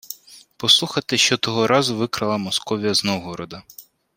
Послухайте, що того разу викрала Московія з Новгорода: